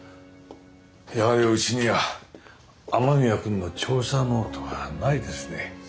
やはりうちには雨宮君の調査ノートはないですね。